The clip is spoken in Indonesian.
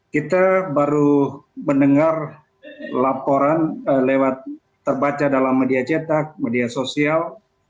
kita baru mendengar laporan lewat terbaca dalam media cetak media sosial